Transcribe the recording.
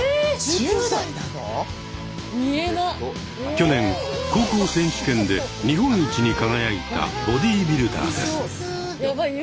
去年高校選手権で日本一に輝いたボディビルダーです。